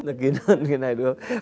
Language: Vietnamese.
nó kín hơn cái này đúng không